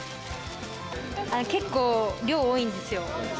結構、量多いんですよ。